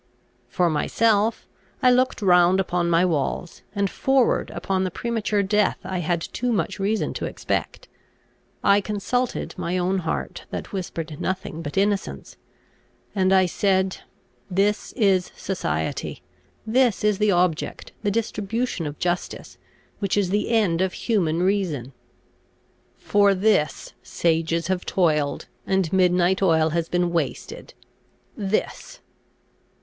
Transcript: For myself, I looked round upon my walls, and forward upon the premature death I had too much reason to expect: I consulted my own heart, that whispered nothing but innocence; and I said, "This is society. This is the object, the distribution of justice, which is the end of human reason. For this sages have toiled, and midnight oil has been wasted. This!"